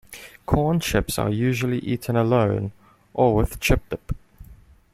Corn chips are usually eaten alone or with a chip dip.